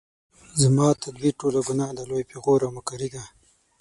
زما تدبیر ټوله ګناه ده لوی پیغور او مکاري ده